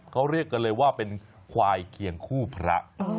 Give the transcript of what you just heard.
เขาเรียกกันเลยว่าเป็นควายเคียงคู่พระ